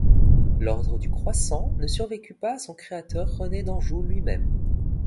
L'ordre du croissant ne survécut pas à son créateur René d'Anjou lui-même.